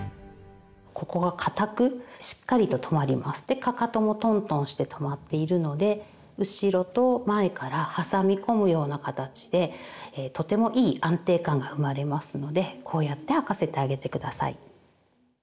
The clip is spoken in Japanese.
でかかともトントンしてとまっているので後ろと前から挟み込むような形でとてもいい安定感が生まれますのでこうやって履かせてあげて下さい。